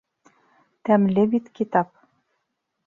— Тәмле бит китап!